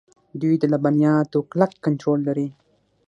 دوی د لبنیاتو کلک کنټرول لري.